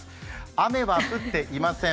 雨は降っていません